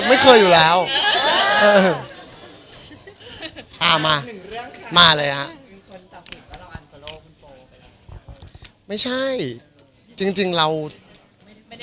ไม่ฟอร์แล้วมันเข้ามาในฟีดยังไง